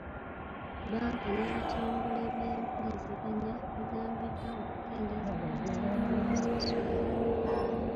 Bbanka n'ebitongole by'empuliziganya bigambiddwa okukendeeza ku bisale by'okusasula.